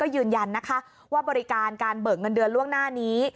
ยืนยันนะคะว่าบริการการเบิกเงินเดือนล่วงหน้านี้